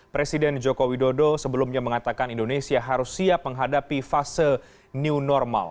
presiden joko widodo sebelumnya mengatakan indonesia harus siap menghadapi fase new normal